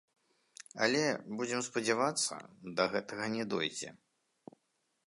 Але, будзем спадзявацца, да гэтага не дойдзе.